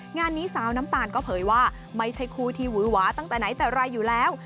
งานนี้สาวน้ำตาลก็เผยว่าไม่ใช่คู่ที่หวือหวาตั้งแต่ไหนแต่ไรอยู่แล้ว